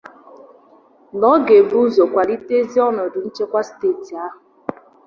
na ọ ga-ebu ụzọ kwalite ezi ọnọdụ nchekwa steeti ahụ